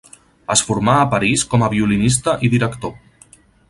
Es formà a París com a violinista i director.